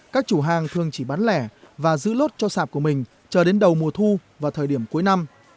các chủ hàng thường chỉ bán lẻ và giữ lốt cho sạp của mình chờ đến đầu mùa thu và thời điểm cuối năm